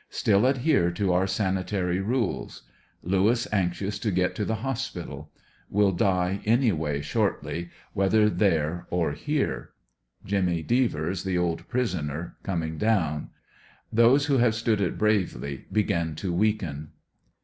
Still adhere to our sanitary rules. Lewis anxious to get to the hospital. Will die any way shortly, whether there or here. Jimmy Devers, the old prisoner, coming down Those who have stood 11 bravely begin to weaken.